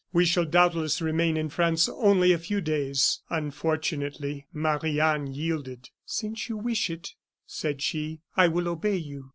We shall doubtless remain in France only a few days." Unfortunately, Marie Anne yielded. "Since you wish it," said she, "I will obey you.